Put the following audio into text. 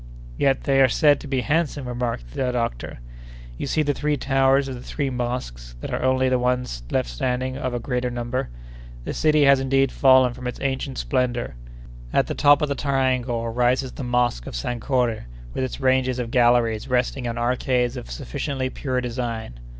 "Yet they are said to be handsome," remarked the doctor. "You see the three towers of the three mosques that are the only ones left standing of a great number—the city has indeed fallen from its ancient splendor! At the top of the triangle rises the Mosque of Sankore, with its ranges of galleries resting on arcades of sufficiently pure design.